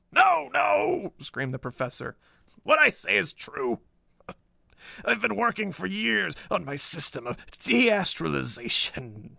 "No, no!" screamed the Professor. "What I say is true. I have been working for years on my system of de astralization.